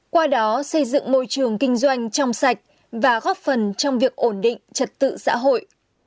qua đó xây dựng môi trường kinh doanh trong sạch và góp phần trong việc ổn định trật tự xã hội